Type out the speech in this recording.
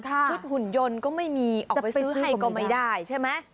หุ่นยนต์ก็ไม่มีออกไปซื้อให้ก็ไม่ได้ใช่ไหม